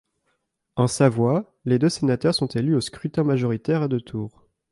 En Savoie, les deux sénateurs sont élus au scrutin majoritaire à deux tours.